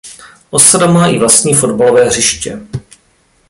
Osada má i vlastní fotbalové hřiště.